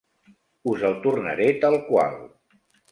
Us el tornaré tal qual.